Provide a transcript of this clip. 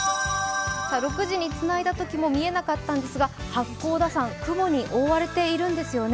６時につないだときも見えなかったんですが八甲田山、雲に覆われているんですよね。